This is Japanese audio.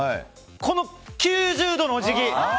この９０度のお辞儀！